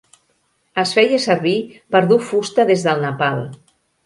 Es feia servir per dur fusta des del Nepal.